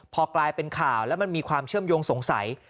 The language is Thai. พอกลายเป็นข่าวแล้วมันมีความเชื่อมโยงสงสัย